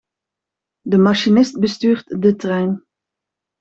De machinist bestuurt de trein.